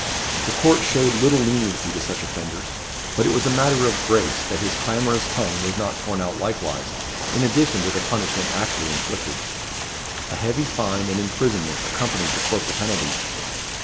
The court showed little leniency to such offenders; but it was a matter of grace that his clamorous tongue was not torn out likewise, in addition to the punishment actually inflicted. A heavy fine and imprisonment accompanied the corporal penalties.